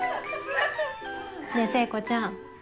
ねぇ聖子ちゃん。